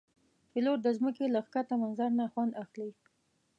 پیلوټ د ځمکې له ښکته منظر نه خوند اخلي.